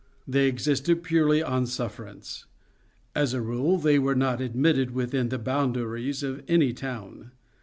They existed purely on suffer ance. As a rule they were not admitted within the boundaries of any town.